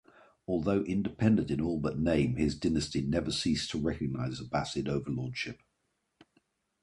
Although independent in all but name, his dynasty never ceased to recognise Abbasid overlordship.